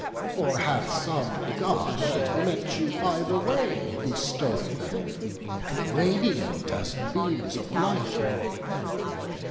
Or hath some God, that met you by the way, Bestow'd them, radiant as the beams of light?